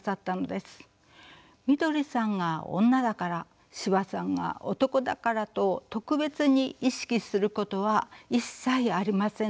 みどりさんが女だから司馬さんが男だからと特別に意識することは一切ありませんでした。